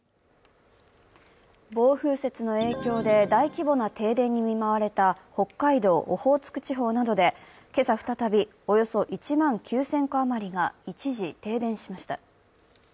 暴風雪の影響で大規模な停電に見舞われた北海道・オホーツク地方などで今朝再び、およそ１万９０００戸余りが一時停電しました。